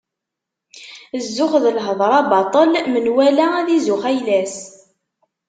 Zzux d lhedra baṭel, menwala ad izuxx ayla-s.